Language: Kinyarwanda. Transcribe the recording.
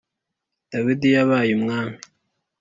dawidi yabaye umwami